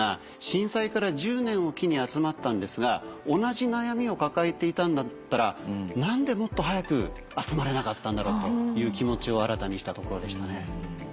震災から１０年を機に集まったんですが同じ悩みを抱えていたんだったら何でもっと早く集まれなかったんだろうという気持ちを新たにしたところでしたね。